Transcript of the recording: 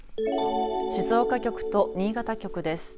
静岡局と新潟局です。